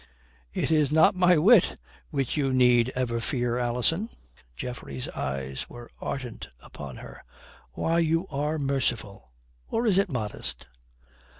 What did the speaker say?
"It is not my wit which you need ever fear, Alison," Geoffrey's eyes were ardent upon her. "Why, you are merciful. Or is it modest?"